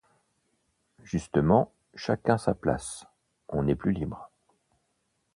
Justement, chacun sa place, on est plus libre.